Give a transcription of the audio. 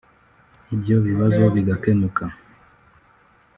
ibyo bibazo bigakemuka